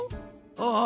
ああ